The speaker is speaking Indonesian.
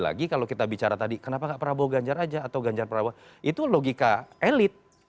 lagi kalau kita bicara tadi kenapa gak prabowo ganjar aja atau ganjar prabowo itu logika elit